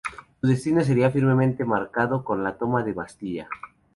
Su destino sería firmemente marcado con la toma de la Bastilla.